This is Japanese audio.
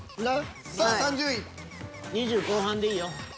２０後半でいいよ。